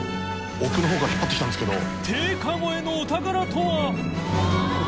奥の方から引っ張ってきたんですけど。